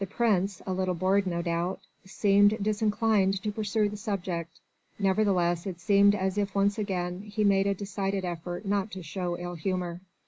The Prince a little bored no doubt seemed disinclined to pursue the subject. Nevertheless, it seemed as if once again he made a decided effort not to show ill humour.